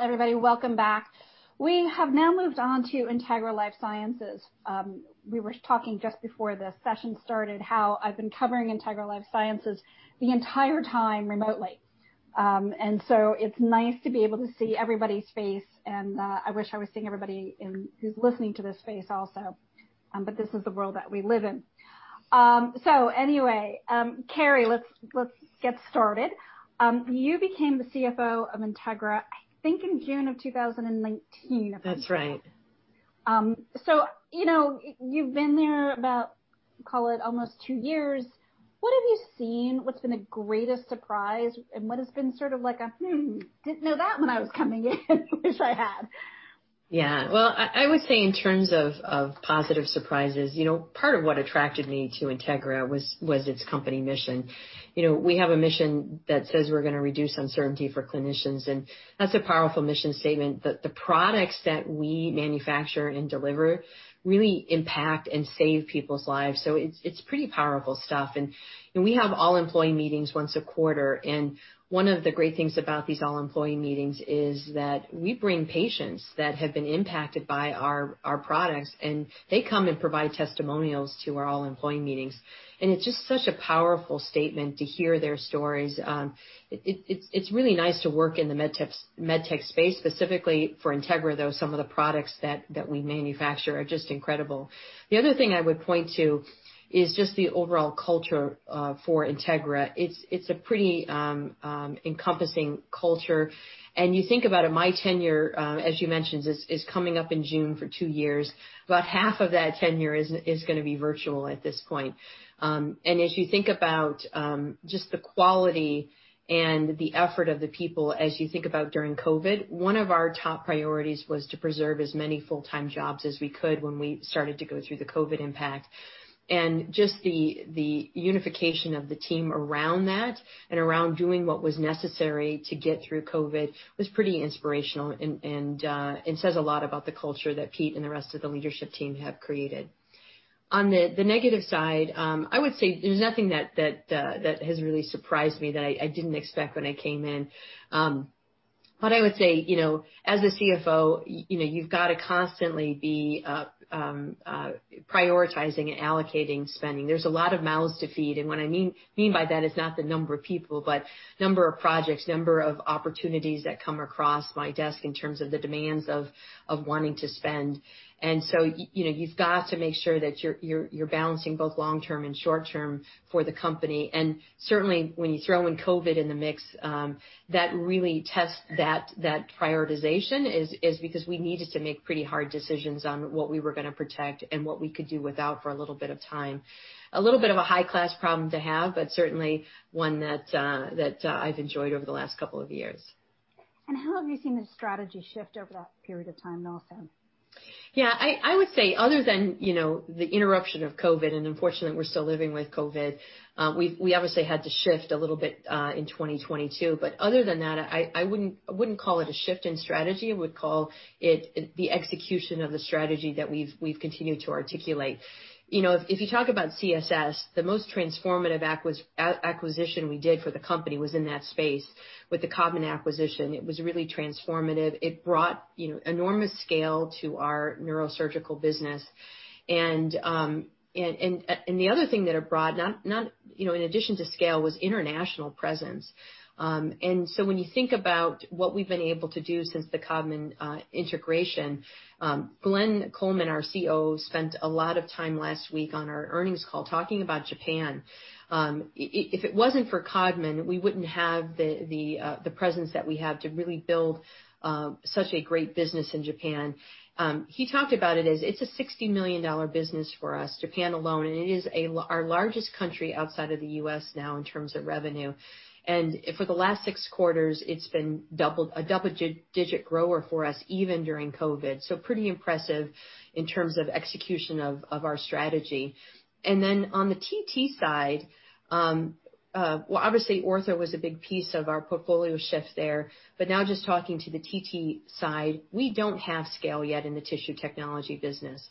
Everybody, welcome back. We have now moved on to Integra LifeSciences. We were talking just before the session started how I've been covering Integra LifeSciences the entire time remotely. It's nice to be able to see everybody's face, and I wish I was seeing everybody who's listening to this face also. This is the world that we live in. Anyway, Carrie, let's get started. You became the CFO of Integra, I think in June of 2019, if I'm not. That's right. So you've been there about, call it, almost two years. What have you seen? What's been the greatest surprise? And what has been sort of like, "didn't know that when I was coming in"? Wish I had. Yeah. Well, I would say in terms of positive surprises, part of what attracted me to Integra was its company mission. We have a mission that says we're going to reduce uncertainty for clinicians. And that's a powerful mission statement. The products that we manufacture and deliver really impact and save people's lives. So it's pretty powerful stuff. And we have all-employee meetings once a quarter. And one of the great things about these all-employee meetings is that we bring patients that have been impacted by our products, and they come and provide testimonials to our all-employee meetings. And it's just such a powerful statement to hear their stories. It's really nice to work in the med tech space, specifically for Integra, though some of the products that we manufacture are just incredible. The other thing I would point to is just the overall culture for Integra. It's a pretty encompassing culture. And you think about it, my tenure, as you mentioned, is coming up in June for two years. About half of that tenure is going to be virtual at this point. And as you think about just the quality and the effort of the people, as you think about during COVID, one of our top priorities was to preserve as many full-time jobs as we could when we started to go through the COVID impact. And just the unification of the team around that and around doing what was necessary to get through COVID was pretty inspirational and says a lot about the culture that Pete and the rest of the leadership team have created. On the negative side, I would say there's nothing that has really surprised me that I didn't expect when I came in. But I would say, as a CFO, you've got to constantly be prioritizing and allocating spending. There's a lot of mouths to feed. And what I mean by that is not the number of people, but number of projects, number of opportunities that come across my desk in terms of the demands of wanting to spend. And so you've got to make sure that you're balancing both long-term and short-term for the company. And certainly, when you throw in COVID in the mix, that really tests that prioritization because we needed to make pretty hard decisions on what we were going to protect and what we could do without for a little bit of time. A little bit of a high-class problem to have, but certainly one that I've enjoyed over the last couple of years. How have you seen the strategy shift over that period of time also? Yeah. I would say other than the interruption of COVID, and unfortunately, we're still living with COVID, we obviously had to shift a little bit in 2022. But other than that, I wouldn't call it a shift in strategy. I would call it the execution of the strategy that we've continued to articulate. If you talk about CSS, the most transformative acquisition we did for the company was in that space with the Codman acquisition. It was really transformative. It brought enormous scale to our neurosurgical business. And the other thing that it brought, in addition to scale, was international presence. And so when you think about what we've been able to do since the Codman integration, Glenn Coleman, our COO, spent a lot of time last week on our earnings call talking about Japan. If it wasn't for Codman, we wouldn't have the presence that we have to really build such a great business in Japan. He talked about it as, "It's a $60 million business for us, Japan alone." And it is our largest country outside of the U.S. now in terms of revenue. And for the last six quarters, it's been a double-digit grower for us even during COVID. So pretty impressive in terms of execution of our strategy. And then on the TT side, well, obviously, Ortho was a big piece of our portfolio shift there. But now just talking to the TT side, we don't have scale yet in the tissue technology business.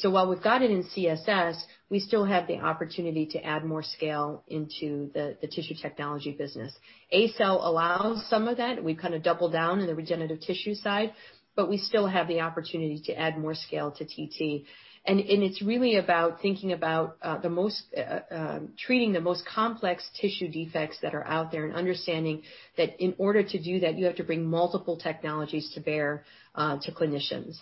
So while we've got it in CSS, we still have the opportunity to add more scale into the tissue technology business. ACell allows some of that. We've kind of doubled down in the regenerative tissue side, but we still have the opportunity to add more scale to TT, and it's really about thinking about treating the most complex tissue defects that are out there and understanding that in order to do that, you have to bring multiple technologies to bear to clinicians.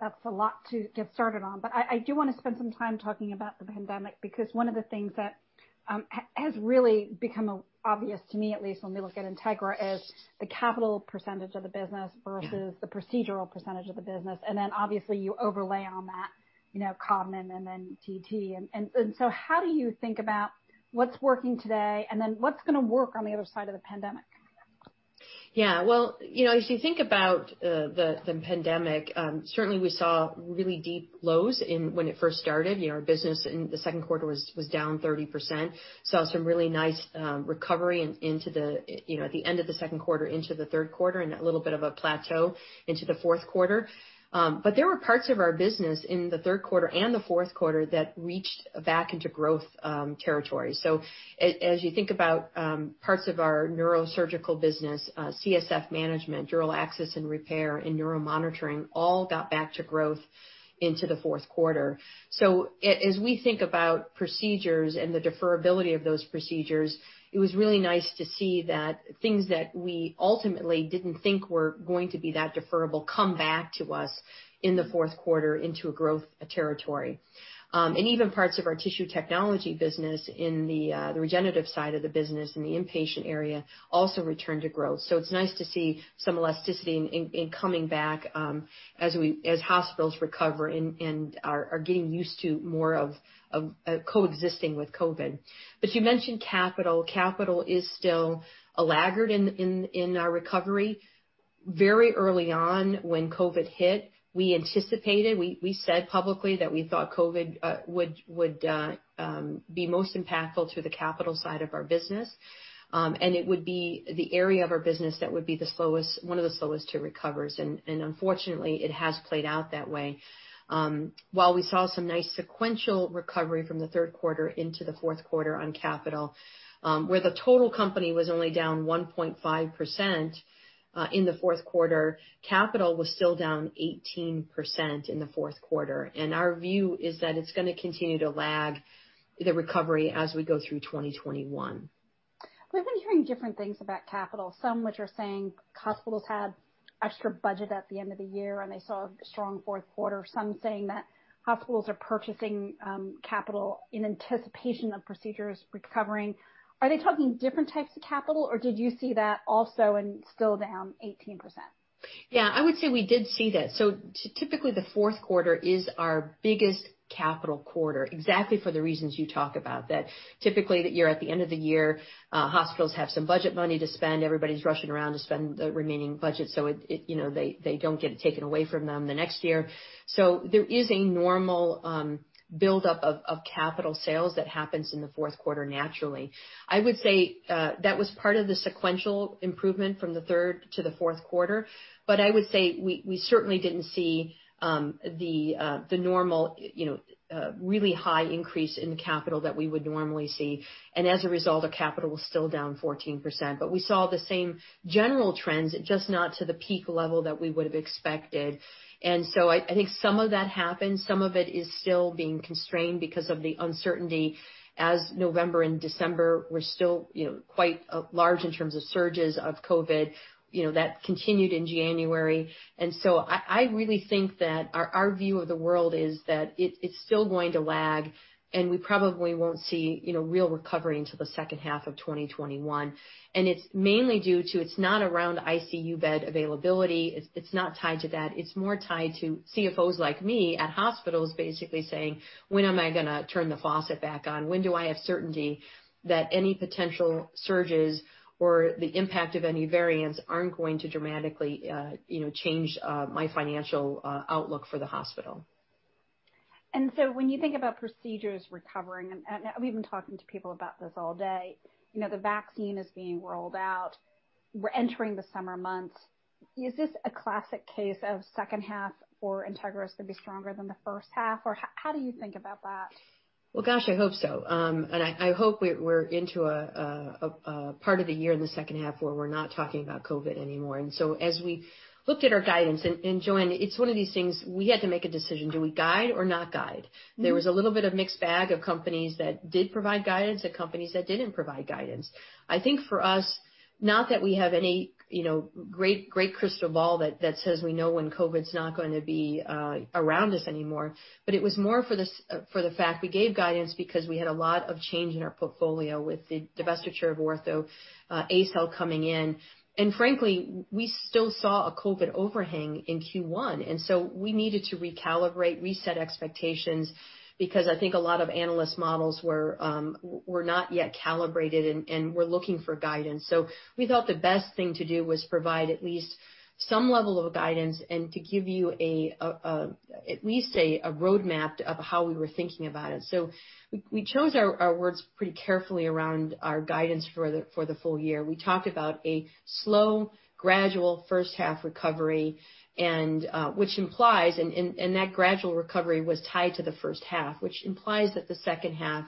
That's a lot to get started on. But I do want to spend some time talking about the pandemic because one of the things that has really become obvious to me, at least when we look at Integra, is the capital percentage of the business versus the procedural percentage of the business. And then obviously, you overlay on that Codman and then TT. And so how do you think about what's working today and then what's going to work on the other side of the pandemic? Yeah. Well, as you think about the pandemic, certainly we saw really deep lows when it first started. Our business in the second quarter was down 30%. Saw some really nice recovery at the end of the second quarter into the third quarter and a little bit of a plateau into the fourth quarter. But there were parts of our business in the third quarter and the fourth quarter that reached back into growth territory. So as you think about parts of our neurosurgical business, CSF management, dural access and repair, and neuromonitoring all got back to growth into the fourth quarter. So as we think about procedures and the deferability of those procedures, it was really nice to see that things that we ultimately didn't think were going to be that deferable come back to us in the fourth quarter into a growth territory. Even parts of our tissue technology business in the regenerative side of the business in the inpatient area also returned to growth. It's nice to see some elasticity in coming back as hospitals recover and are getting used to more of coexisting with COVID. You mentioned capital. Capital is still a laggard in our recovery. Very early on when COVID hit, we anticipated. We said publicly that we thought COVID would be most impactful to the capital side of our business. It would be the area of our business that would be one of the slowest to recover. Unfortunately, it has played out that way. While we saw some nice sequential recovery from the third quarter into the fourth quarter on capital, where the total company was only down 1.5% in the fourth quarter, capital was still down 18% in the fourth quarter. Our view is that it's going to continue to lag the recovery as we go through 2021. We've been hearing different things about capital. Some which are saying hospitals had extra budget at the end of the year and they saw a strong fourth quarter. Some saying that hospitals are purchasing capital in anticipation of procedures recovering. Are they talking different types of capital, or did you see that also and still down 18%? Yeah. I would say we did see that. So typically, the fourth quarter is our biggest capital quarter, exactly for the reasons you talk about, that typically that you're at the end of the year, hospitals have some budget money to spend. Everybody's rushing around to spend the remaining budget, so they don't get it taken away from them the next year. So there is a normal buildup of capital sales that happens in the fourth quarter naturally. I would say that was part of the sequential improvement from the third to the fourth quarter. But I would say we certainly didn't see the normal really high increase in capital that we would normally see. And as a result, our capital was still down 14%. But we saw the same general trends, just not to the peak level that we would have expected. And so I think some of that happened. Some of it is still being constrained because of the uncertainty as November and December were still quite large in terms of surges of COVID that continued in January. And so I really think that our view of the world is that it's still going to lag, and we probably won't see real recovery until the second half of 2021. And it's mainly due to it's not around ICU bed availability. It's not tied to that. It's more tied to CFOs like me at hospitals basically saying, "When am I going to turn the faucet back on? When do I have certainty that any potential surges or the impact of any variants aren't going to dramatically change my financial outlook for the hospital? And so when you think about procedures recovering, and we've been talking to people about this all day, the vaccine is being rolled out. We're entering the summer months. Is this a classic case of second half for Integra's going to be stronger than the first half? Or how do you think about that? Well, gosh, I hope so. And I hope we're into a part of the year in the second half where we're not talking about COVID anymore. And so as we looked at our guidance, and Joanne, it's one of these things we had to make a decision, do we guide or not guide? There was a little bit of mixed bag of companies that did provide guidance and companies that didn't provide guidance. I think for us, not that we have any great crystal ball that says we know when COVID's not going to be around us anymore, but it was more for the fact we gave guidance because we had a lot of change in our portfolio with the divestiture of Ortho, ACell coming in. And frankly, we still saw a COVID overhang in Q1. And so we needed to recalibrate, reset expectations because I think a lot of analyst models were not yet calibrated, and we're looking for guidance. So we thought the best thing to do was provide at least some level of guidance and to give you at least a roadmap of how we were thinking about it. So we chose our words pretty carefully around our guidance for the full year. We talked about a slow, gradual first-half recovery, which implies that gradual recovery was tied to the first half, which implies that the second half,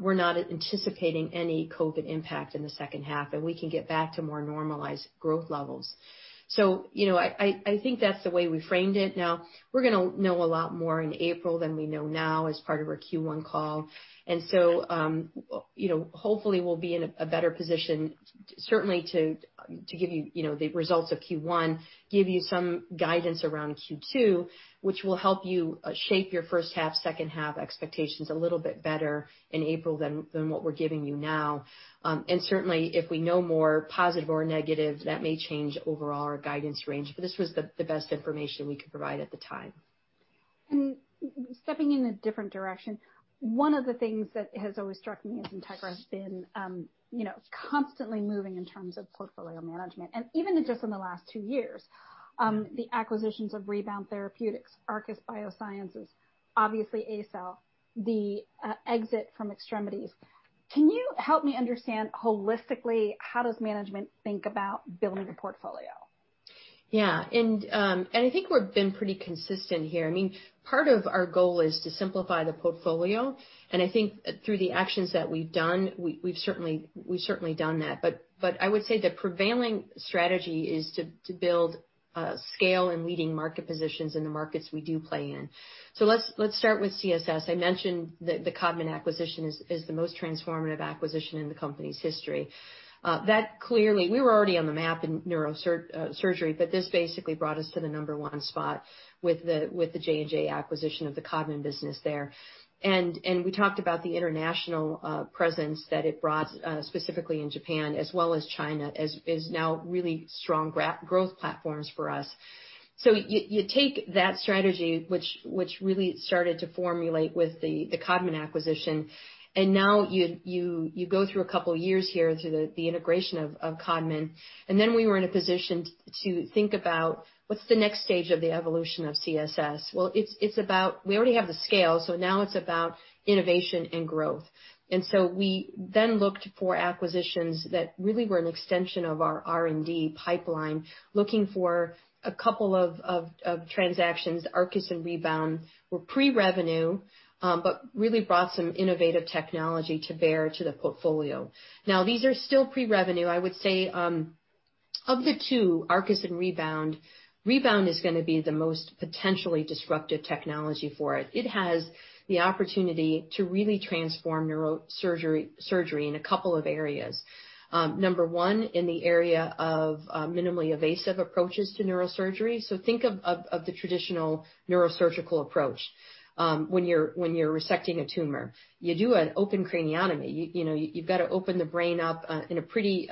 we're not anticipating any COVID impact in the second half, and we can get back to more normalized growth levels. So I think that's the way we framed it. Now, we're going to know a lot more in April than we know now as part of our Q1 call. And so hopefully, we'll be in a better position, certainly to give you the results of Q1, give you some guidance around Q2, which will help you shape your first half, second half expectations a little bit better in April than what we're giving you now. And certainly, if we know more positive or negative, that may change overall our guidance range. But this was the best information we could provide at the time. And stepping in a different direction, one of the things that has always struck me as Integra has been constantly moving in terms of portfolio management. And even just in the last two years, the acquisitions of Rebound Therapeutics, Arkis Biosciences, obviously ACell, the exit from Extremities. Can you help me understand holistically how does management think about building a portfolio? Yeah. And I think we've been pretty consistent here. I mean, part of our goal is to simplify the portfolio. And I think through the actions that we've done, we've certainly done that. But I would say the prevailing strategy is to build scale and leading market positions in the markets we do play in. So let's start with CSS. I mentioned that the Codman acquisition is the most transformative acquisition in the company's history. We were already on the map in neurosurgery, but this basically brought us to the number one spot with the J&J acquisition of the Codman business there. And we talked about the international presence that it brought specifically in Japan, as well as China, is now really strong growth platforms for us. So you take that strategy, which really started to formulate with the Codman acquisition, and now you go through a couple of years here through the integration of Codman. And then we were in a position to think about what's the next stage of the evolution of CSS? Well, it's about we already have the scale, so now it's about innovation and growth. And so we then looked for acquisitions that really were an extension of our R&D pipeline, looking for a couple of transactions. Arkis and Rebound were pre-revenue, but really brought some innovative technology to bear to the portfolio. Now, these are still pre-revenue. I would say of the two, Arkis and Rebound, Rebound is going to be the most potentially disruptive technology for it. It has the opportunity to really transform neurosurgery in a couple of areas. Number one, in the area of minimally invasive approaches to neurosurgery. So think of the traditional neurosurgical approach when you're resecting a tumor. You do an open craniotomy. You've got to open the brain up in a pretty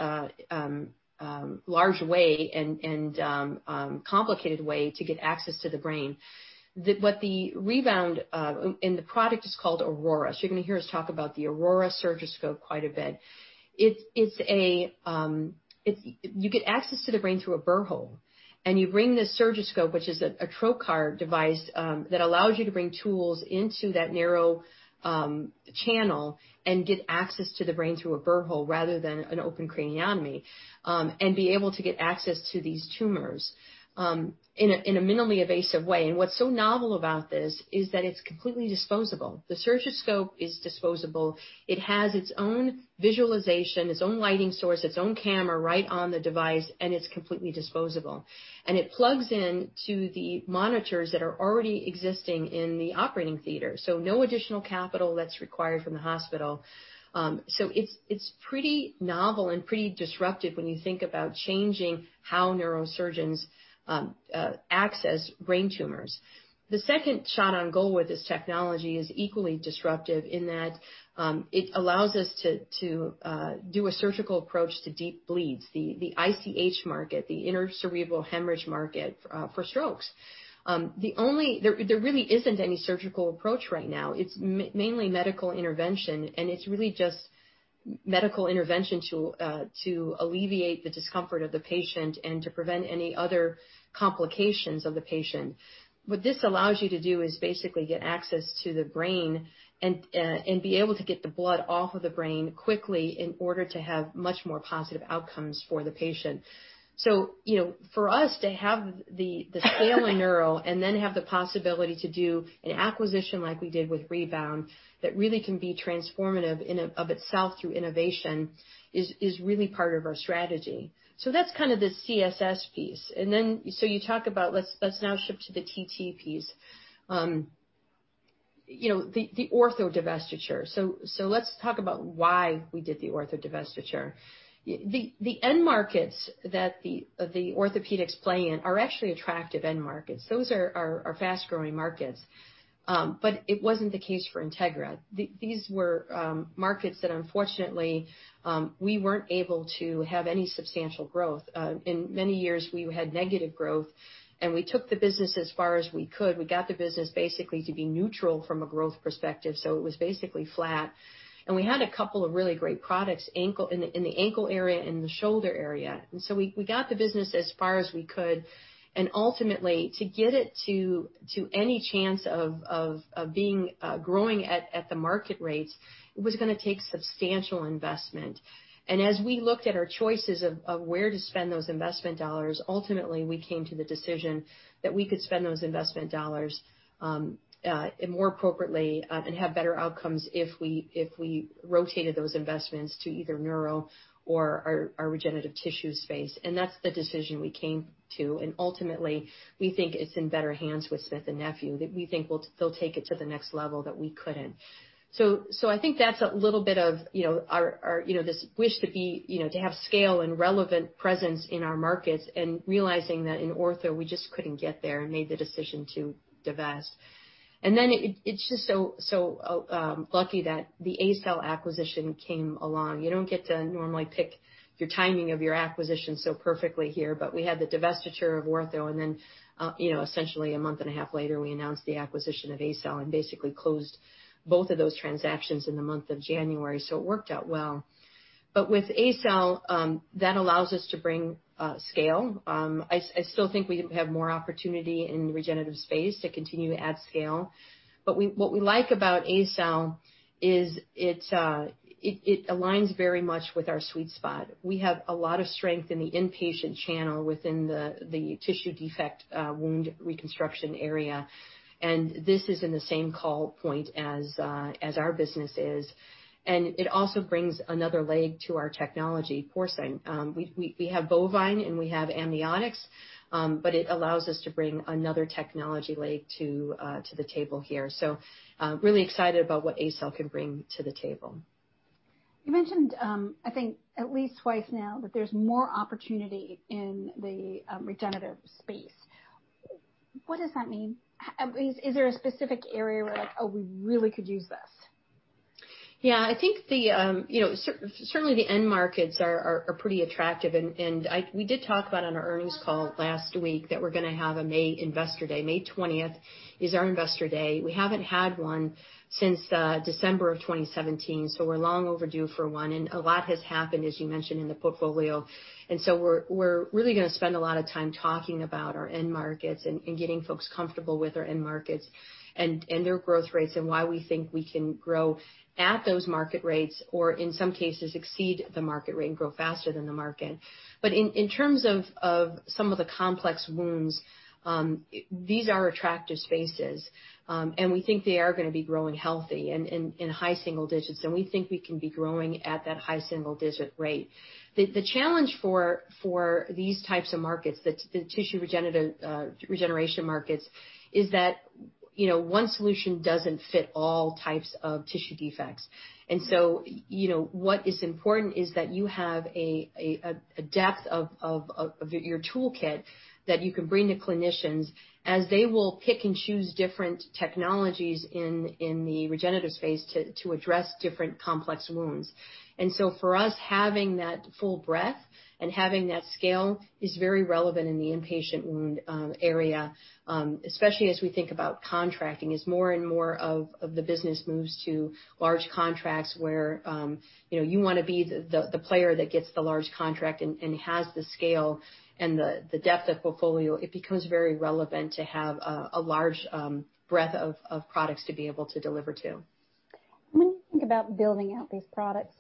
large way and complicated way to get access to the brain. The Rebound product is called Aurora. So you're going to hear us talk about the Aurora Surgiscope quite a bit. You get access to the brain through a burr hole, and you bring the Surgiscope, which is a trocar device that allows you to bring tools into that narrow channel and get access to the brain through a burr hole rather than an open craniotomy and be able to get access to these tumors in a minimally invasive way. And what's so novel about this is that it's completely disposable. The Surgiscope is disposable. It has its own visualization, its own lighting source, its own camera right on the device, and it's completely disposable. And it plugs into the monitors that are already existing in the operating theater. So no additional capital that's required from the hospital. So it's pretty novel and pretty disruptive when you think about changing how neurosurgeons access brain tumors. The second shot on goal with this technology is equally disruptive in that it allows us to do a surgical approach to deep bleeds, the ICH market, the intracerebral hemorrhage market for strokes. There really isn't any surgical approach right now. It's mainly medical intervention, and it's really just medical intervention to alleviate the discomfort of the patient and to prevent any other complications of the patient. What this allows you to do is basically get access to the brain and be able to get the blood off of the brain quickly in order to have much more positive outcomes for the patient. So for us to have the scale in neuro and then have the possibility to do an acquisition like we did with Rebound that really can be transformative in and of itself through innovation is really part of our strategy. So that's kind of the CSS piece. And then so you talk about let's now shift to the TT piece, the ortho divestiture. So let's talk about why we did the ortho divestiture. The end markets that the orthopedics play in are actually attractive end markets. Those are fast-growing markets. But it wasn't the case for Integra. These were markets that unfortunately we weren't able to have any substantial growth. For many years, we had negative growth, and we took the business as far as we could. We got the business basically to be neutral from a growth perspective. So it was basically flat. And we had a couple of really great products in the ankle area and the shoulder area. And so we got the business as far as we could. And ultimately, to get it to any chance of growing at the market rates, it was going to take substantial investment. And as we looked at our choices of where to spend those investment dollars, ultimately, we came to the decision that we could spend those investment dollars more appropriately and have better outcomes if we rotated those investments to either neuro or our regenerative tissue space. And that's the decision we came to. Ultimately, we think it's in better hands with Smith & Nephew, that we think they'll take it to the next level that we couldn't. I think that's a little bit of this wish to have scale and relevant presence in our markets and realizing that in ortho we just couldn't get there and made the decision to divest. It's just so lucky that the ACell acquisition came along. You don't get to normally pick your timing of your acquisition so perfectly here. We had the divestiture of Ortho. Then essentially a month and a half later, we announced the acquisition of ACell and basically closed both of those transactions in the month of January. It worked out well. With ACell, that allows us to bring scale. I still think we have more opportunity in the regenerative space to continue to add scale. But what we like about ACell is it aligns very much with our sweet spot. We have a lot of strength in the inpatient channel within the tissue defect wound reconstruction area. And this is in the same call point as our business is. And it also brings another leg to our technology, porcine. We have bovine and we have amniotics, but it allows us to bring another technology leg to the table here. So really excited about what ACell can bring to the table. You mentioned, I think at least twice now, that there's more opportunity in the regenerative space. What does that mean? Is there a specific area where, "Oh, we really could use this? Yeah. I think certainly the end markets are pretty attractive, and we did talk about on our earnings call last week that we're going to have a May investor day. May 20th is our investor day. We haven't had one since December of 2017, so we're long overdue for one. And a lot has happened, as you mentioned, in the portfolio, and so we're really going to spend a lot of time talking about our end markets and getting folks comfortable with our end markets and their growth rates and why we think we can grow at those market rates or in some cases exceed the market rate and grow faster than the market, but in terms of some of the complex wounds, these are attractive spaces, and we think they are going to be growing healthy in high single digits. And we think we can be growing at that high single digit rate. The challenge for these types of markets, the tissue regeneration markets, is that one solution doesn't fit all types of tissue defects. And so what is important is that you have a depth of your toolkit that you can bring to clinicians as they will pick and choose different technologies in the regenerative space to address different complex wounds. And so for us, having that full breadth and having that scale is very relevant in the inpatient wound area, especially as we think about contracting as more and more of the business moves to large contracts where you want to be the player that gets the large contract and has the scale and the depth of portfolio. It becomes very relevant to have a large breadth of products to be able to deliver to. When you think about building out these products,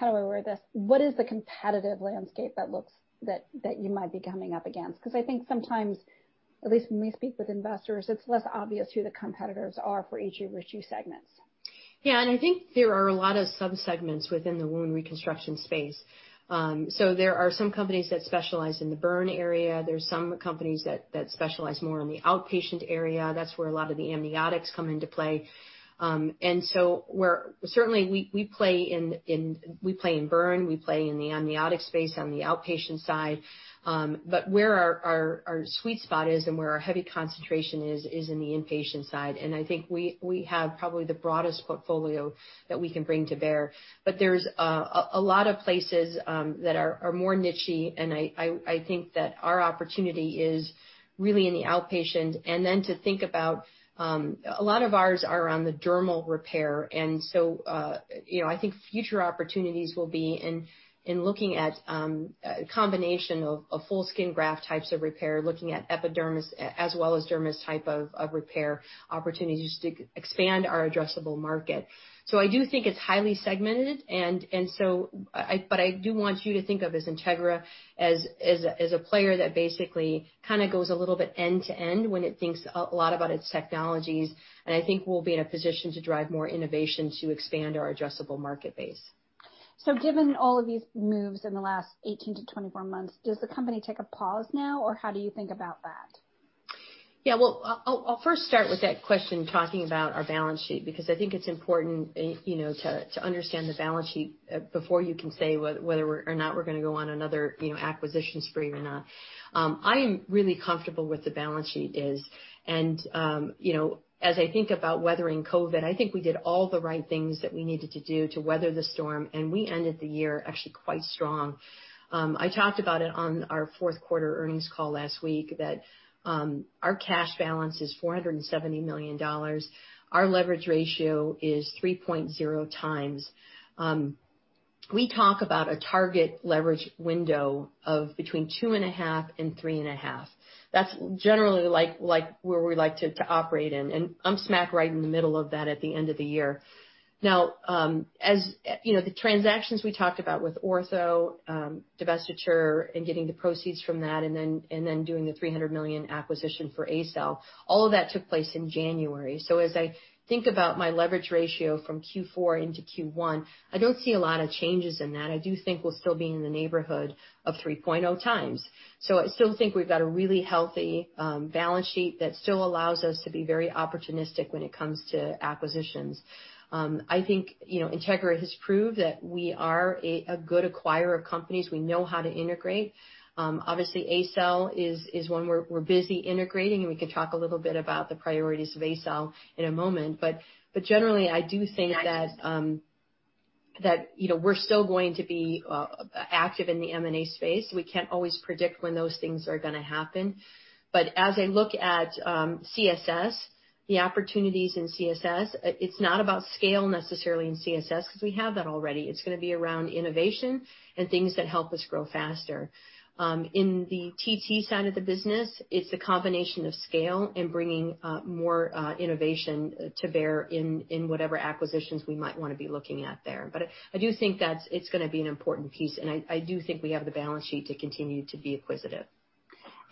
how do I word this? What is the competitive landscape that you might be coming up against? Because I think sometimes, at least when we speak with investors, it's less obvious who the competitors are for each of your two segments. Yeah. And I think there are a lot of subsegments within the wound reconstruction space. So there are some companies that specialize in the burn area. There's some companies that specialize more in the outpatient area. That's where a lot of the amniotics come into play. And so certainly, we play in burn. We play in the amniotic space on the outpatient side. But where our sweet spot is and where our heavy concentration is, is in the inpatient side. And I think we have probably the broadest portfolio that we can bring to bear. But there's a lot of places that are more niche. And I think that our opportunity is really in the outpatient. And then to think about a lot of ours are around the dermal repair. I think future opportunities will be in looking at a combination of full skin graft types of repair, looking at epidermis as well as dermis type of repair opportunities to expand our addressable market. So I do think it's highly segmented. But I do want you to think of Integra as a player that basically kind of goes a little bit end to end when it thinks a lot about its technologies. I think we'll be in a position to drive more innovation to expand our addressable market base. So given all of these moves in the last 18 to 24 months, does the company take a pause now? Or how do you think about that? Yeah. Well, I'll first start with that question talking about our balance sheet because I think it's important to understand the balance sheet before you can say whether or not we're going to go on another acquisition spree or not. I am really comfortable with the balance sheet is. And as I think about weathering COVID, I think we did all the right things that we needed to do to weather the storm. And we ended the year actually quite strong. I talked about it on our fourth quarter earnings call last week that our cash balance is $470 million. Our leverage ratio is 3.0x. We talk about a target leverage window of between 2.5 and 3.5. That's generally where we like to operate in. And I'm smack right in the middle of that at the end of the year. Now, the transactions we talked about with Ortho divestiture and getting the proceeds from that and then doing the $300 million acquisition for ACell, all of that took place in January. So as I think about my leverage ratio from Q4 into Q1, I don't see a lot of changes in that. I do think we'll still be in the neighborhood of 3.0x. So I still think we've got a really healthy balance sheet that still allows us to be very opportunistic when it comes to acquisitions. I think Integra has proved that we are a good acquirer of companies. We know how to integrate. Obviously, ACell is one we're busy integrating. And we can talk a little bit about the priorities of ACell in a moment. But generally, I do think that we're still going to be active in the M&A space. We can't always predict when those things are going to happen. But as I look at CSS, the opportunities in CSS, it's not about scale necessarily in CSS because we have that already. It's going to be around innovation and things that help us grow faster. In the TT side of the business, it's a combination of scale and bringing more innovation to bear in whatever acquisitions we might want to be looking at there. But I do think that it's going to be an important piece. And I do think we have the balance sheet to continue to be acquisitive.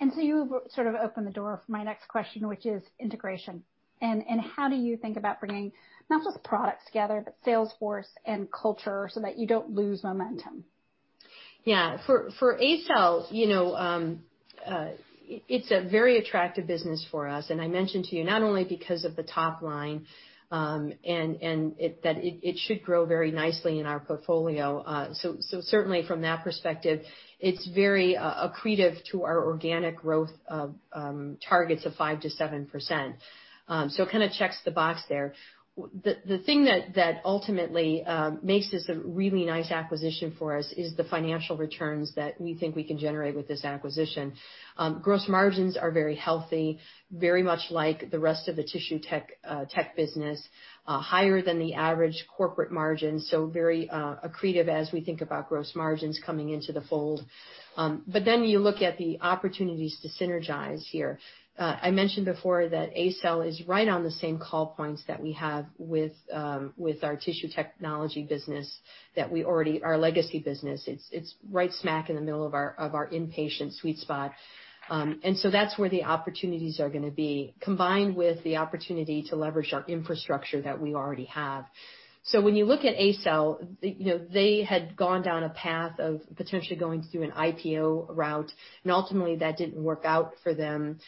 And so you sort of opened the door for my next question, which is integration. And how do you think about bringing not just products together, but sales force and culture so that you don't lose momentum? Yeah. For ACell, it's a very attractive business for us. And I mentioned to you, not only because of the top line and that it should grow very nicely in our portfolio. So certainly from that perspective, it's very accretive to our organic growth targets of 5%-7%. So it kind of checks the box there. The thing that ultimately makes this a really nice acquisition for us is the financial returns that we think we can generate with this acquisition. Gross margins are very healthy, very much like the rest of the tissue tech business, higher than the average corporate margin. So very accretive as we think about gross margins coming into the fold. But then you look at the opportunities to synergize here. I mentioned before that ACell is right on the same call points that we have with our tissue technology business that we already have, our legacy business. It's right smack in the middle of our inpatient sweet spot. That's where the opportunities are going to be combined with the opportunity to leverage our infrastructure that we already have. When you look at ACell, they had gone down a path of potentially going through an IPO route. Ultimately, that didn't work out for them.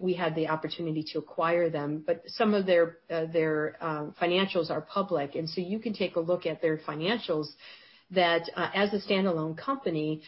We had the opportunity to acquire them. Some of their financials are public. You can take a look at their financials. As a standalone company,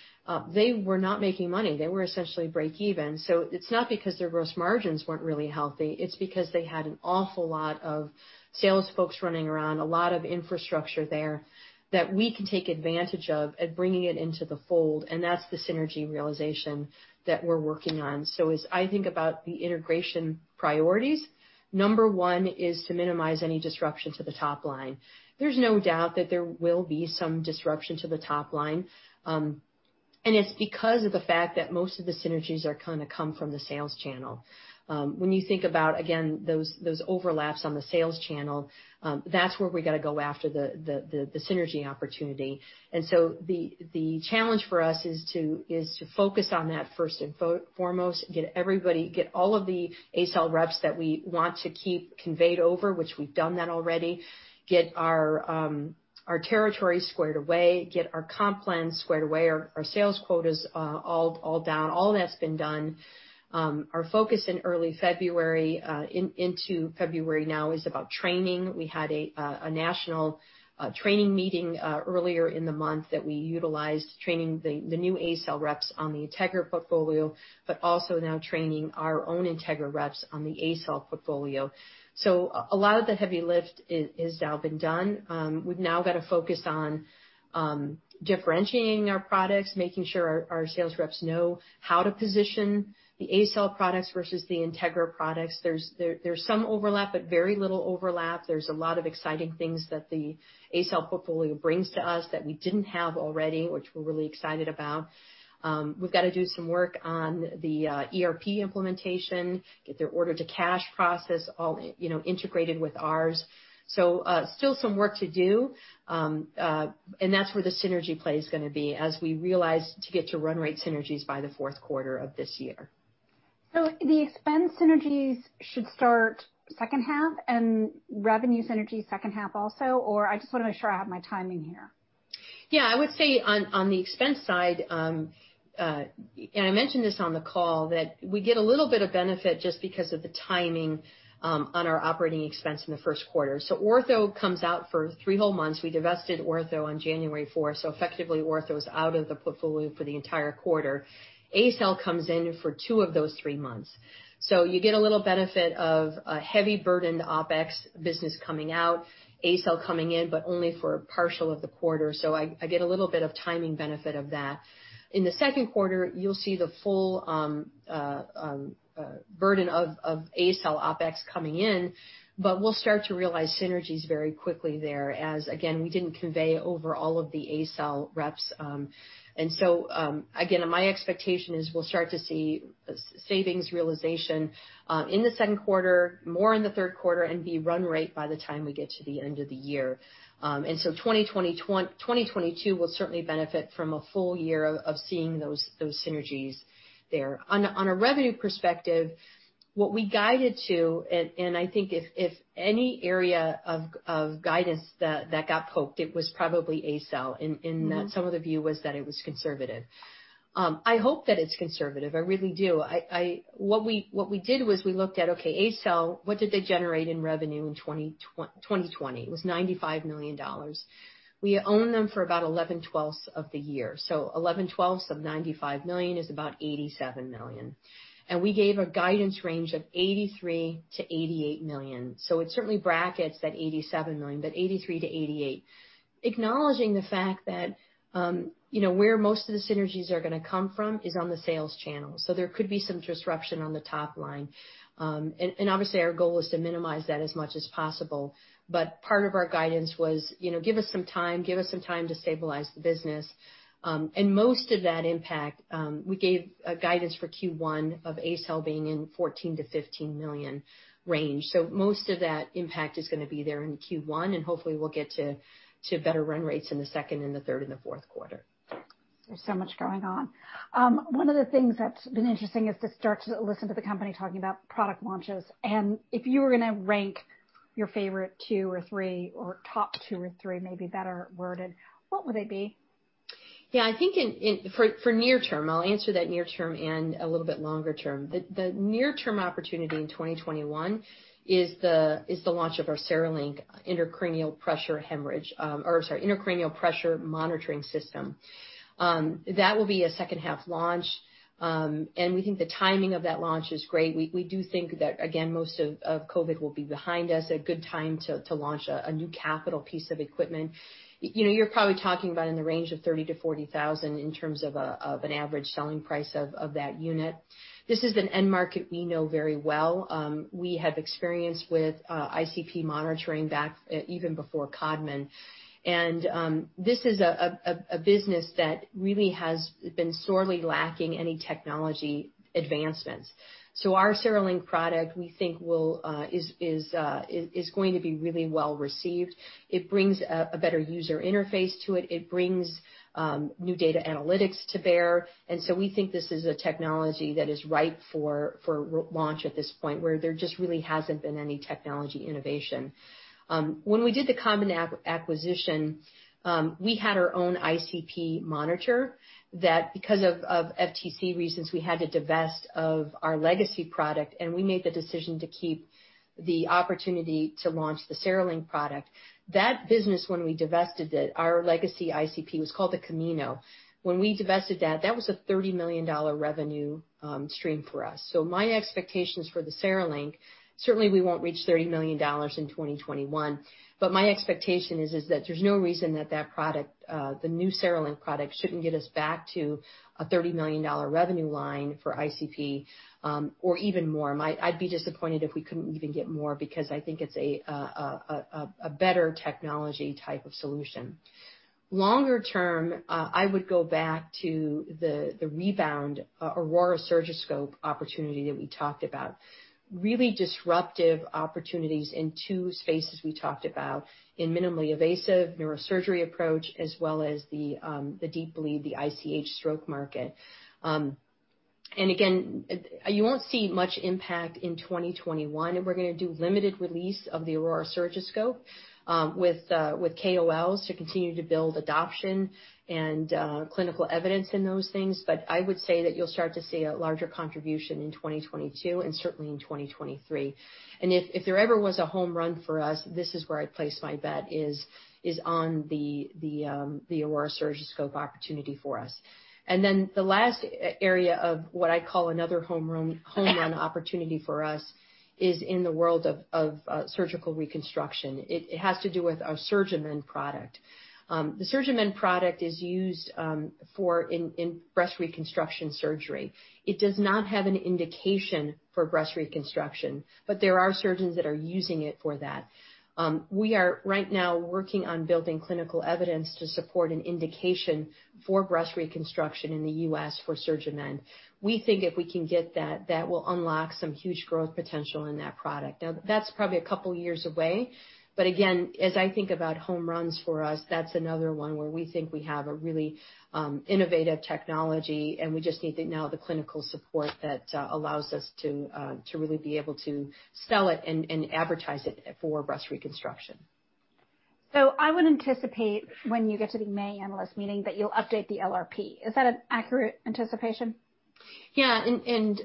they were not making money. They were essentially break-even. It's not because their gross margins weren't really healthy. It's because they had an awful lot of sales folks running around, a lot of infrastructure there that we can take advantage of and bringing it into the fold. And that's the synergy realization that we're working on. So as I think about the integration priorities, number one is to minimize any disruption to the top line. There's no doubt that there will be some disruption to the top line. And it's because of the fact that most of the synergies are going to come from the sales channel. When you think about, again, those overlaps on the sales channel, that's where we got to go after the synergy opportunity. And so the challenge for us is to focus on that first and foremost, get all of the ACell reps that we want to keep conveyed over, which we've done that already, get our territory squared away, get our comp plans squared away, our sales quotas all down. All that's been done. Our focus in early February into February now is about training. We had a national training meeting earlier in the month that we utilized training the new ACell reps on the Integra portfolio, but also now training our own Integra reps on the ACell portfolio. So a lot of the heavy lift has now been done. We've now got to focus on differentiating our products, making sure our sales reps know how to position the ACell products versus the Integra products. There's some overlap, but very little overlap. There's a lot of exciting things that the ACell portfolio brings to us that we didn't have already, which we're really excited about. We've got to do some work on the ERP implementation, get their order-to-cash process integrated with ours, so still some work to do, and that's where the synergy play is going to be as we realize to get to run rate synergies by the fourth quarter of this year. So the expense synergies should start second half and revenue synergies second half also? Or I just want to make sure I have my timing here. Yeah. I would say on the expense side, and I mentioned this on the call, that we get a little bit of benefit just because of the timing on our operating expense in the first quarter. So Ortho comes out for three whole months. We divested Ortho on January 4. So effectively, Ortho is out of the portfolio for the entire quarter. ACell comes in for two of those three months. So you get a little benefit of a heavy burdened OpEx business coming out, ACell coming in, but only for a partial of the quarter. So I get a little bit of timing benefit of that. In the second quarter, you'll see the full burden of ACell OpEx coming in. But we'll start to realize synergies very quickly there as, again, we didn't convey over all of the ACell reps. So again, my expectation is we'll start to see savings realization in the second quarter, more in the third quarter, and be run rate by the time we get to the end of the year. 2022 will certainly benefit from a full year of seeing those synergies there. On a revenue perspective, what we guided to, and I think if any area of guidance that got poked, it was probably ACell. Some of the view was that it was conservative. I hope that it's conservative. I really do. What we did was we looked at, okay, ACell, what did they generate in revenue in 2020? It was $95 million. We owned them for about 11/12 of the year. So 11/12 of $95 million is about $87 million. We gave a guidance range of $83 million-$88 million. It certainly brackets that $87 million, but $83 million-$88 million. Acknowledging the fact that where most of the synergies are going to come from is on the sales channel. There could be some disruption on the top line. Our goal is to minimize that as much as possible. Part of our guidance was, give us some time, give us some time to stabilize the business. Most of that impact, we gave guidance for Q1 of ACell being in $14 million-$15 million range. Most of that impact is going to be there in Q1. Hopefully, we'll get to better run rates in the second and the third and the fourth quarter. There's so much going on. One of the things that's been interesting is to start to listen to the company talking about product launches. And if you were going to rank your favorite two or three or top two or three, maybe better worded, what would they be? Yeah. I think for near term, I'll answer that near term and a little bit longer term. The near-term opportunity in 2021 is the launch of our CereLink intracranial pressure hemorrhage or sorry, intracranial pressure monitoring system. That will be a second-half launch. And we think the timing of that launch is great. We do think that, again, most of COVID will be behind us, a good time to launch a new capital piece of equipment. You're probably talking about in the range of $30,000-$40,000 in terms of an average selling price of that unit. This is an end market we know very well. We have experience with ICP monitoring back even before Codman. And this is a business that really has been sorely lacking any technology advancements. So our CereLink product, we think, is going to be really well received. It brings a better user interface to it. It brings new data analytics to bear. And so we think this is a technology that is ripe for launch at this point where there just really hasn't been any technology innovation. When we did the Codman acquisition, we had our own ICP monitor that because of FTC reasons, we had to divest of our legacy product. And we made the decision to keep the opportunity to launch the CereLink product. That business, when we divested it, our legacy ICP was called the Camino. When we divested that, that was a $30 million revenue stream for us. So my expectations for the CereLink, certainly we won't reach $30 million in 2021. But my expectation is that there's no reason that that product, the new CereLink product, shouldn't get us back to a $30 million revenue line for ICP or even more. I'd be disappointed if we couldn't even get more because I think it's a better technology type of solution. Longer term, I would go back to the Rebound Aurora Surgiscope opportunity that we talked about. Really disruptive opportunities in two spaces we talked about, in minimally invasive neurosurgery approach as well as the deep bleed, the ICH stroke market. And again, you won't see much impact in 2021. And we're going to do limited release of the Aurora Surgiscope with KOLs to continue to build adoption and clinical evidence in those things. But I would say that you'll start to see a larger contribution in 2022 and certainly in 2023. And if there ever was a home run for us, this is where I'd place my bet is on the Aurora Surgiscope opportunity for us. And then the last area of what I call another home run opportunity for us is in the world of surgical reconstruction. It has to do with our SurgiMend product. The SurgiMend product is used for breast reconstruction surgery. It does not have an indication for breast reconstruction. But there are surgeons that are using it for that. We are right now working on building clinical evidence to support an indication for breast reconstruction in the U.S. for SurgiMend. We think if we can get that, that will unlock some huge growth potential in that product. Now, that's probably a couple of years away. But again, as I think about home runs for us, that's another one where we think we have a really innovative technology. And we just need now the clinical support that allows us to really be able to sell it and advertise it for breast reconstruction. So I would anticipate when you get to the May analyst meeting that you'll update the LRP. Is that an accurate anticipation? Yeah. And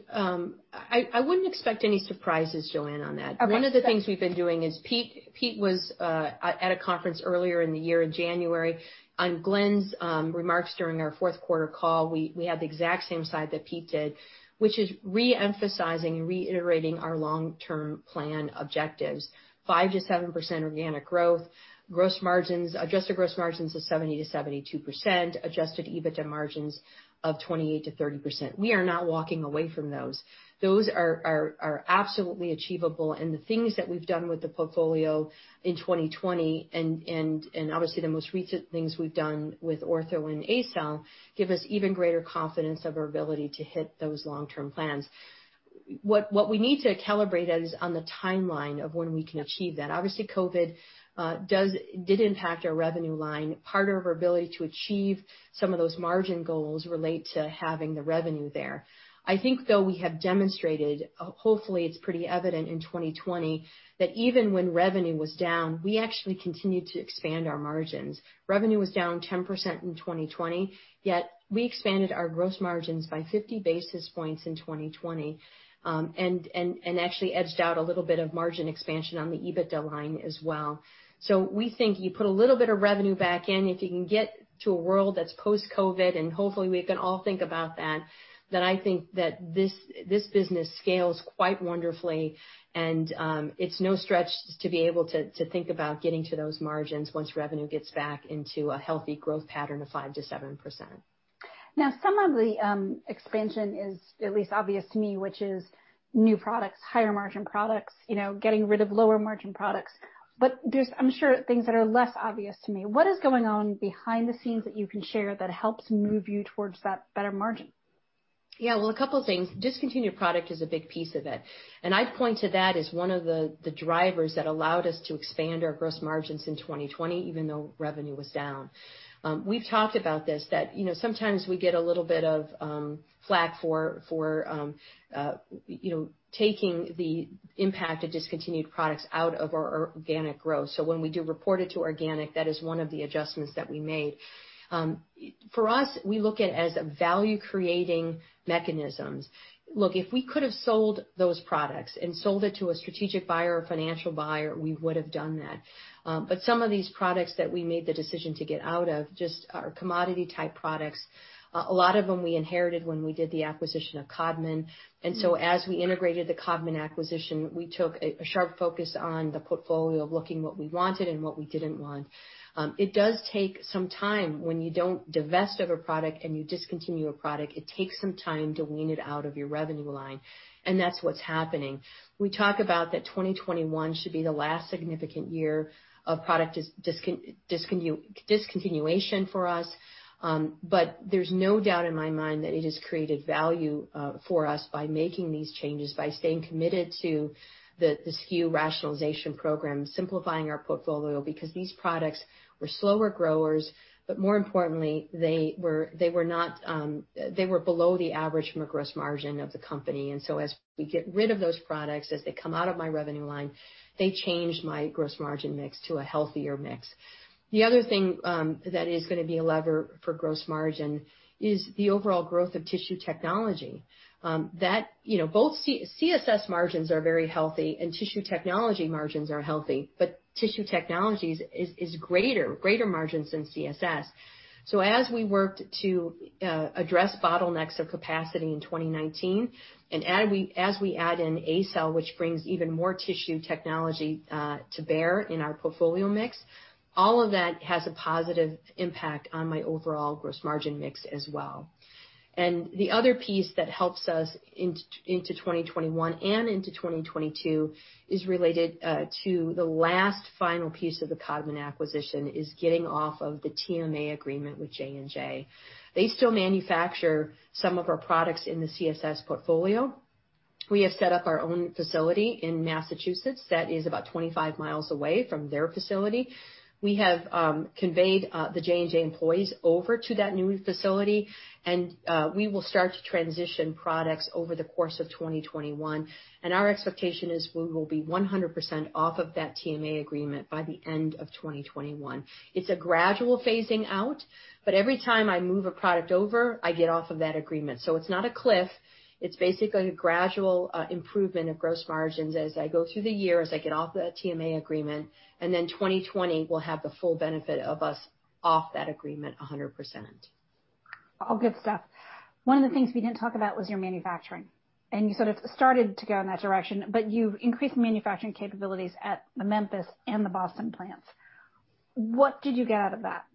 I wouldn't expect any surprises, Joanne, on that. One of the things we've been doing is Pete was at a conference earlier in the year in January on Glenn's remarks during our fourth quarter call. We had the exact same side that Pete did, which is re-emphasizing and reiterating our long-term plan objectives: 5%-7% organic growth, adjusted gross margins of 70%-72%, adjusted EBITDA margins of 28%-30%. We are not walking away from those. Those are absolutely achievable. And the things that we've done with the portfolio in 2020 and obviously the most recent things we've done with ortho and ACell give us even greater confidence of our ability to hit those long-term plans. What we need to calibrate is on the timeline of when we can achieve that. Obviously, COVID did impact our revenue line. Part of our ability to achieve some of those margin goals relates to having the revenue there. I think, though, we have demonstrated, hopefully, it's pretty evident in 2020 that even when revenue was down, we actually continued to expand our margins. Revenue was down 10% in 2020, yet we expanded our gross margins by 50 basis points in 2020 and actually edged out a little bit of margin expansion on the EBITDA line as well, so we think you put a little bit of revenue back in. If you can get to a world that's post-COVID, and hopefully, we can all think about that, then I think that this business scales quite wonderfully, and it's no stretch to be able to think about getting to those margins once revenue gets back into a healthy growth pattern of 5%-7%. Now, some of the expansion is at least obvious to me, which is new products, higher margin products, getting rid of lower margin products. But there's, I'm sure, things that are less obvious to me. What is going on behind the scenes that you can share that helps move you towards that better margin? Yeah, well, a couple of things. Discontinued product is a big piece of it, and I'd point to that as one of the drivers that allowed us to expand our gross margins in 2020, even though revenue was down. We've talked about this, that sometimes we get a little bit of flak for taking the impact of discontinued products out of our organic growth, so when we do report it to organic, that is one of the adjustments that we made. For us, we look at it as value-creating mechanisms. Look, if we could have sold those products and sold it to a strategic buyer or financial buyer, we would have done that, but some of these products that we made the decision to get out of just are commodity-type products. A lot of them we inherited when we did the acquisition of Codman. And so as we integrated the Codman acquisition, we took a sharp focus on the portfolio of looking at what we wanted and what we didn't want. It does take some time when you don't divest of a product and you discontinue a product. It takes some time to wean it out of your revenue line. And that's what's happening. We talk about that 2021 should be the last significant year of product discontinuation for us. But there's no doubt in my mind that it has created value for us by making these changes, by staying committed to the SKU rationalization program, simplifying our portfolio because these products were slower growers. But more importantly, they were below the average gross margin of the company. As we get rid of those products, as they come out of my revenue line, they change my gross margin mix to a healthier mix. The other thing that is going to be a lever for gross margin is the overall growth of tissue technology. Both CSS margins are very healthy and tissue technology margins are healthy. But tissue technology is greater margins than CSS. So as we worked to address bottlenecks of capacity in 2019 and as we add in ACell, which brings even more tissue technology to bear in our portfolio mix, all of that has a positive impact on my overall gross margin mix as well. The other piece that helps us into 2021 and into 2022 is related to the last final piece of the Codman acquisition, is getting off of the TMA agreement with J&J. They still manufacture some of our products in the CSS portfolio. We have set up our own facility in Massachusetts that is about 25 miles away from their facility. We have conveyed the J&J employees over to that new facility, and we will start to transition products over the course of 2021, and our expectation is we will be 100% off of that TMA agreement by the end of 2021. It's a gradual phasing out, but every time I move a product over, I get off of that agreement, so it's not a cliff. It's basically a gradual improvement of gross margins as I go through the year, as I get off of that TMA agreement, and then 2020 will have the full benefit of us off that agreement 100%. All good stuff. One of the things we didn't talk about was your manufacturing. And you sort of started to go in that direction. But you've increased manufacturing capabilities at the Memphis and the Boston plants. What did you get out of that?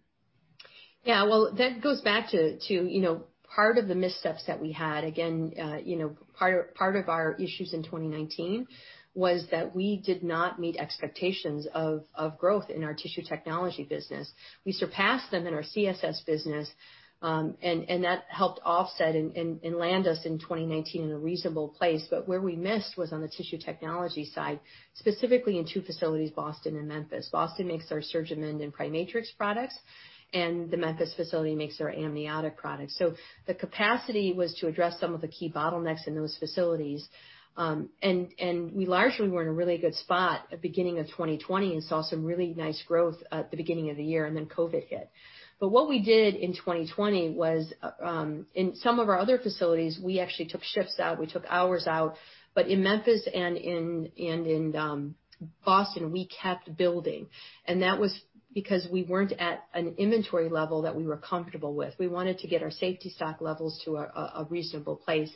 Yeah. Well, that goes back to part of the missteps that we had. Again, part of our issues in 2019 was that we did not meet expectations of growth in our tissue technology business. We surpassed them in our CSS business. And that helped offset and land us in 2019 in a reasonable place. But where we missed was on the tissue technology side, specifically in two facilities, Boston and Memphis. Boston makes our SurgiMend and PriMatrix products. And the Memphis facility makes our amniotic products. So the capacity was to address some of the key bottlenecks in those facilities. And we largely were in a really good spot at the beginning of 2020 and saw some really nice growth at the beginning of the year. And then COVID hit. But what we did in 2020 was in some of our other facilities, we actually took shifts out. We took hours out, but in Memphis and in Boston, we kept building, and that was because we weren't at an inventory level that we were comfortable with. We wanted to get our safety stock levels to a reasonable place,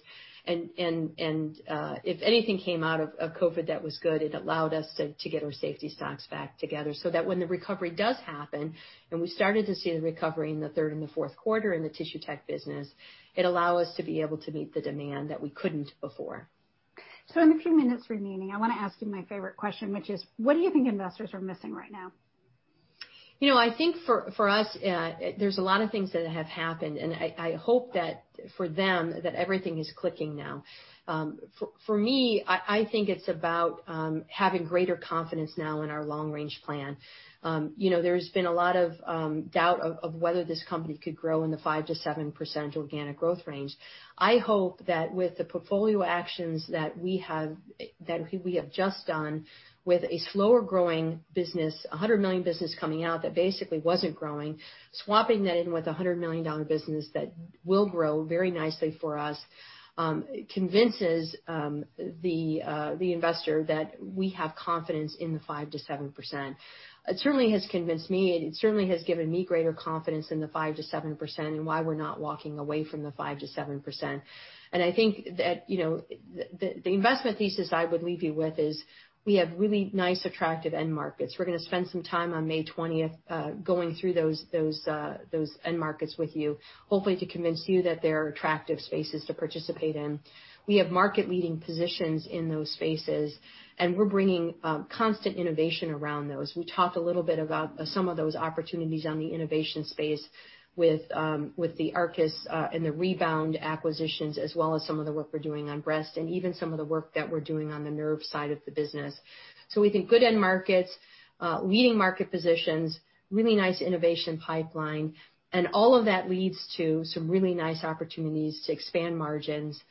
and if anything came out of COVID that was good, it allowed us to get our safety stocks back together so that when the recovery does happen and we started to see the recovery in the third and the fourth quarter in the tissue tech business, it allowed us to be able to meet the demand that we couldn't before. So in the few minutes remaining, I want to ask you my favorite question, which is, what do you think investors are missing right now? You know, I think for us, there's a lot of things that have happened. And I hope that for them that everything is clicking now. For me, I think it's about having greater confidence now in our long-range plan. There's been a lot of doubt of whether this company could grow in the 5%-7% organic growth range. I hope that with the portfolio actions that we have just done with a slower-growing business, a $100 million business coming out that basically wasn't growing, swapping that in with a $100 million business that will grow very nicely for us convinces the investor that we have confidence in the 5%-7%. It certainly has convinced me. It certainly has given me greater confidence in the 5%-7% and why we're not walking away from the 5%-7%. And I think that the investment thesis I would leave you with is we have really nice, attractive end markets. We're going to spend some time on May 20th going through those end markets with you, hopefully to convince you that they're attractive spaces to participate in. We have market-leading positions in those spaces. And we're bringing constant innovation around those. We talked a little bit about some of those opportunities on the innovation space with the Arkis and the Rebound acquisitions as well as some of the work we're doing on breast and even some of the work that we're doing on the nerve side of the business. So we think good end markets, leading market positions, really nice innovation pipeline. And all of that leads to some really nice opportunities to expand margins and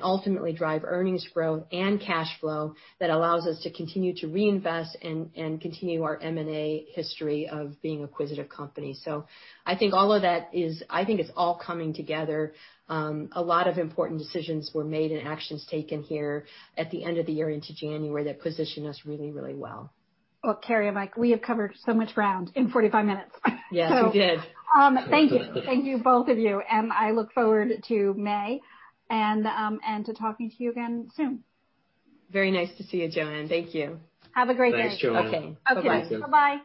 ultimately drive earnings growth and cash flow that allows us to continue to reinvest and continue our M&A history of being acquisitive companies. So I think all of that is, I think it's all coming together. A lot of important decisions were made and actions taken here at the end of the year into January that positioned us really, really well. Carrie and Mike, we have covered so much ground in 45 minutes. Yes, you did. Thank you. Thank you, both of you. And I look forward to May and to talking to you again soon. Very nice to see you, Joanne. Thank you. Have a great day. Thanks, Joanne. Okay. Have a nice day. Bye-bye.